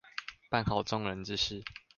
辦好眾人之事